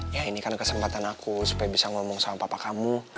ya ini kan kesempatan aku supaya bisa ngomong sama papa kamu